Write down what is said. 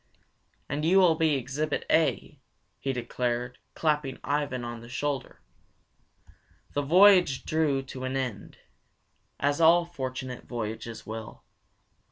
"And you will be Exhibit A," he declared, clapping Ivan on the shoulder. The voyage drew to an end, as all fortunate voyages will.